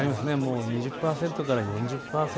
２０％から４０％。